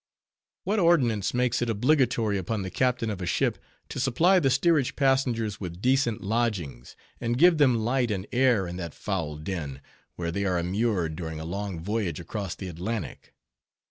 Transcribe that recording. What ordinance makes it obligatory upon the captain of a ship, to supply the steerage passengers with decent lodgings, and give them light and air in that foul den, where they are immured, during a long voyage across the Atlantic?